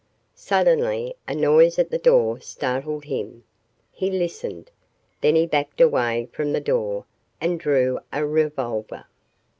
Suddenly a noise at the door startled him. He listened. Then he backed away from the door and drew a revolver.